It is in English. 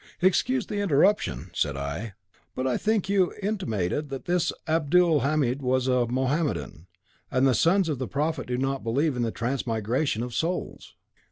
"Excuse the interruption," said I, "but I think you intimated that this Abdulhamid was a Mohammedan, and the sons of the Prophet do not believe in the transmigration of souls."